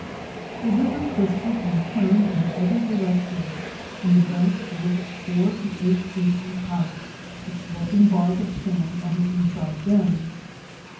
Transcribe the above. The river twisted and turned in every direction and the banks were four to cight feet in height with sloping bars of sand on the inside bends.